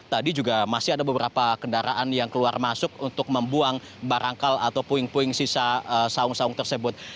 tadi juga masih ada beberapa kendaraan yang keluar masuk untuk membuang barangkal atau puing puing sisa saung saung tersebut